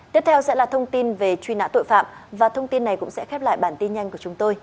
tiếp theo sẽ là thông tin về truy nã tội phạm và thông tin này cũng sẽ khép lại bản tin nhanh của chúng tôi